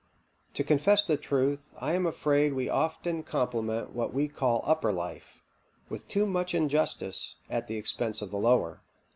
"To confess the truth, I am afraid we often compliment what we call upper life, with too much injustice, at the expense of the lower.